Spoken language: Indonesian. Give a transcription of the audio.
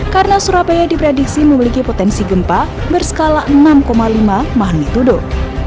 karena surabaya diprediksi memiliki potensi gempa berskala enam lima mahani tuduh